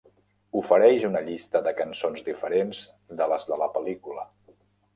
Ofereix una llista de cançons diferents de les de la pel·lícula.